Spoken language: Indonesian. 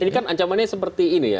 ini kan ancamannya seperti ini ya